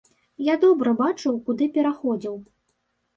Я добра бачыў, куды пераходзіў.